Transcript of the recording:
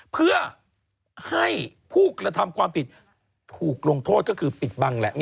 เพื่อให้ผู้กระทำความผิดถูกลงโทษก็คือปิดบังแหละ